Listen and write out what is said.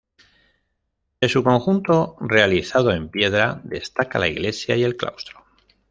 De su conjunto, realizado en piedra, destaca la iglesia y el claustro.